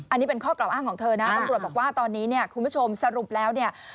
อันนี้เป็นข้อกล่าวอ้างของเธอนะตำรวจบอกว่าตอนนี้เนี่ยคุณผู้ชมสรุปแล้วเนี่ย